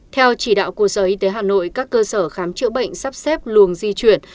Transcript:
theo chỉ đạo của sở y tế hà nội các cơ sở khám chữa bệnh sắp xếp luồng di chuyển